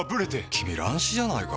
君乱視じゃないか？